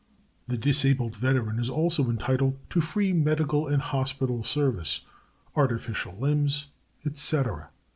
The disabled veteran is also entitled to free medical and hospital service, artificial limbs, et cetera.